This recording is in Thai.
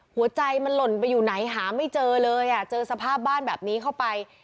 หัวใจมันหล่นไปอยู่ไหนหาไม่เจอเลยอ่ะเจอสภาพบ้านแบบนี้เข้าไป